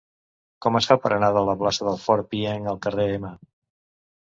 Com es fa per anar de la plaça del Fort Pienc al carrer M?